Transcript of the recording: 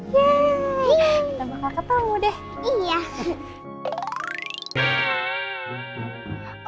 iya kita bakal ketemu deh